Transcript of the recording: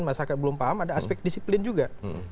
masyarakat belum paham ada aspek disiplin juga